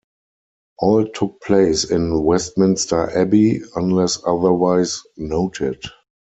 All took place in Westminster Abbey unless otherwise noted.